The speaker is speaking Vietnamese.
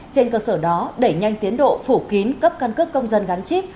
trên cơ sở đó đẩy nhanh tiến độ phủ kín cấp căn cước công dân gắn chip